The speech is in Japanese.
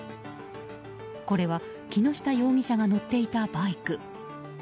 これは木下容疑者が乗っていたバイク。